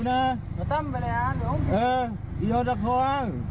ทำว่าอะไรไม่ได้กลัว